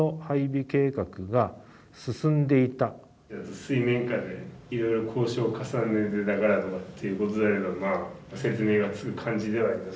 水面下でいろいろ交渉を重ねてたからとかっていうことであればまあ説明がつく感じではあります。